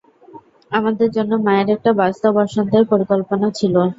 আমাদের জন্য মায়ের একটা ব্যস্ত বসন্তের পরিকল্পনা ছিল।